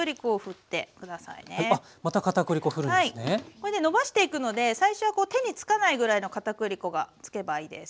これでのばしていくので最初はこう手につかないぐらいの片栗粉がつけばいいです。